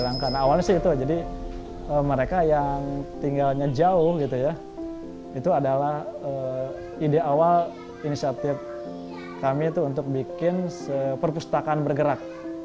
nah awalnya sih itu jadi mereka yang tinggalnya jauh gitu ya itu adalah ide awal inisiatif kami itu untuk bikin perpustakaan bergerak